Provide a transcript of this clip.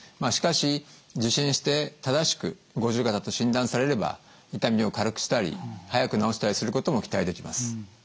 しかし受診して正しく五十肩と診断されれば痛みを軽くしたり早く治したりすることも期待できます。